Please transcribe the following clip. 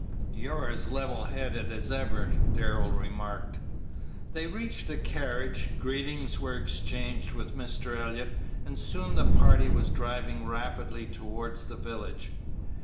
"You're as level headed as ever," Darrell remarked. They reached the carriage, greetings were exchanged with Mr. Elliott, and soon the party was driving rapidly towards the village.